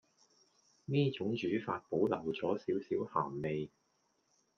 呢種煮法保留左少少鹹味